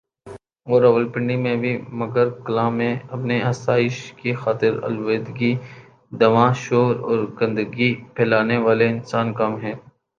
اور راولپنڈی میں بھی مگر کلاں میں اپنی آسائش کی خاطر آلودگی دھواں شور اور گندگی پھیلانے والے انسان کم ہیں